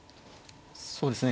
そうですね